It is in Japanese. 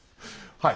はい。